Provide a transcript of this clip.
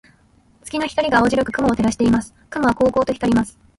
月の光が青白く雲を照らしています。雲はこうこうと光ります。